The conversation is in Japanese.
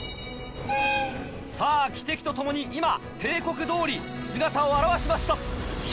さぁ汽笛とともに今定刻どおり姿を現しました。